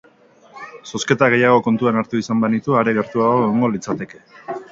Zozketa gehiago kontuan hartu izan banitu, are gertuago egongo litzateke.